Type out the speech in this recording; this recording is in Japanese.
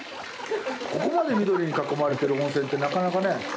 ここまで緑に囲まれてる温泉って、なかなかね。